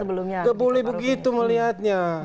tidak boleh begitu melihatnya